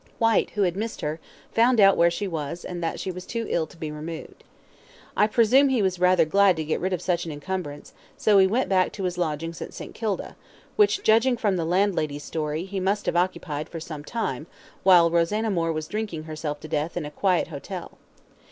Whyte, who had missed her, found out where she was, and that she was too ill to be removed. I presume he was rather glad to get rid of such an encumbrance, so he went back to his lodgings at St. Kilda, which, judging from the landlady's story, he must have occupied for some time, while Rosanna Moore was drinking herself to death in a quiet hotel.